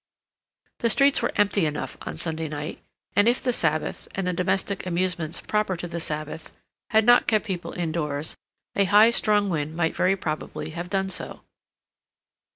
The streets were empty enough on Sunday night, and if the Sabbath, and the domestic amusements proper to the Sabbath, had not kept people indoors, a high strong wind might very probably have done so.